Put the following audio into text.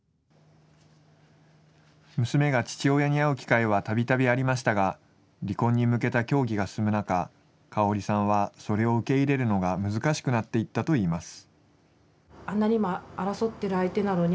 娘が父親に会う機会はたびたびありましたが、離婚に向けた協議が進む中、香さんはそれを受け入れるのが難しくなっていったといいます。